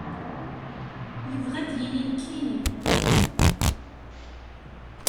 Yebɣa ad d-yini nekkni?